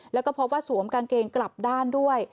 แล้วก็พบว่าสวมกางเกงกลับด้านด้วย